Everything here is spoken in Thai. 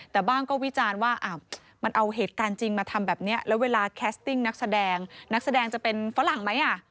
แต่บ้างก็วิจารณ์ว่ามันเอาเหตุการณ์จริงมาทำแบบนี้แล้วเวลาแคสติ้งนักแสดงนักแสดงจะเป็นฝรั่งไหม